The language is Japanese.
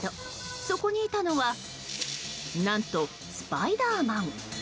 そこにいたのは何とスパイダーマン。